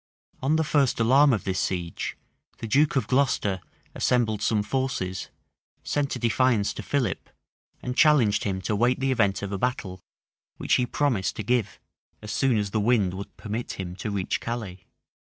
[] On the first alarm of this siege, the duke of Glocester assembled some forces, sent a defiance to Philip, and challenged him to wait the event of a battle, which he promised to give, as soon as the wind would permit him to reach Calais.